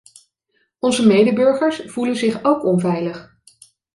Onze medeburgers voelen zich ook onveilig.